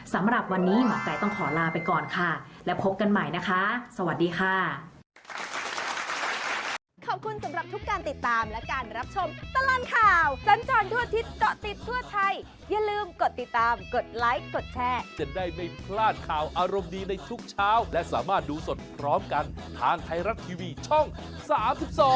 สำหรับวันนี้หมอไก่ต้องขอลาไปก่อนค่ะและพบกันใหม่นะคะสวัสดีค่ะ